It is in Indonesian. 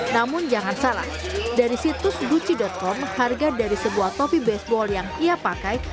namun jangan salah dari situs gucci com harga dari sebuah topi baseball yang ia pakai